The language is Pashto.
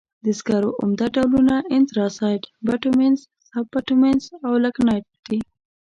د سکرو عمده ډولونه انترسایت، بټومینس، سب بټومینس او لېګنایټ دي.